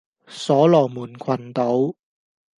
所羅門群島